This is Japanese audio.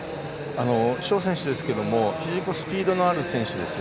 蒋選手ですけれども非常にスピードのある選手です。